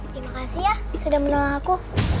terima kasih ya sudah menolong aku